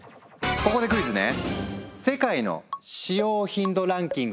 ここでクイズね。